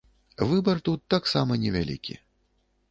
Выбар тут таксама невялікі.